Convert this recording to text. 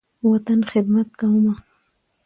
وطن، خدمت کومه